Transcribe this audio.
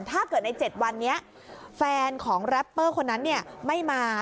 ถ้าเกิดใน๗วันนี้แฟนของแรปเปอร์คนนั้นไม่มา